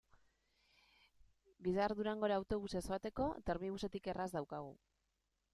Bihar Durangora autobusez joateko Termibusetik erraz daukagu.